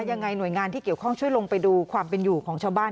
ยังไงหน่วยงานที่เกี่ยวข้องช่วยลงไปดูความเป็นอยู่ของชาวบ้าน